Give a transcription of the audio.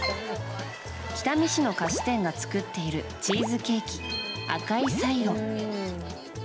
北見市の菓子店が作っているチーズケーキ、赤いサイロ。